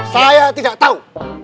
saya tidak tahu